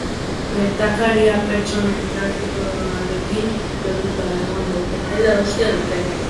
Gertakaria pertsonen trafikoarekin lotuta egon daitekeela uste dute.